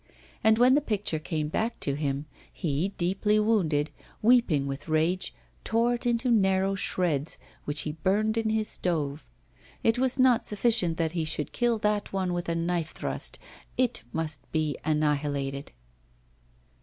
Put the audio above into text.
And when the picture came back to him, he, deeply wounded, weeping with rage, tore it into narrow shreds, which he burned in his stove. It was not sufficient that he should kill that one with a knife thrust, it must be annihilated.